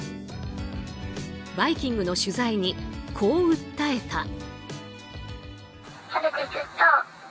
「バイキング」の取材にこう訴えた。